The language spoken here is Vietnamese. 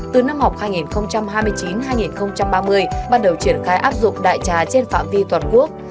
từ năm học hai nghìn hai mươi chín hai nghìn ba mươi bắt đầu triển khai áp dụng đại trà trên phạm vi toàn quốc